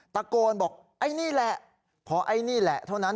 ตะโกนบอกไอ้นี่แหละพอไอ้นี่แหละเท่านั้น